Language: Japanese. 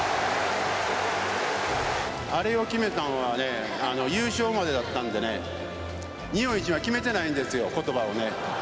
アレを決めたんはね、優勝までだったんでね、日本一は決めてないんですよ、ことばをね。